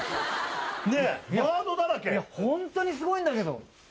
ホントにすごいんだけど。